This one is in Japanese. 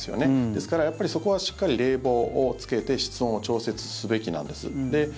ですからそこはしっかり冷房をつけて室温を調節すべきなんです。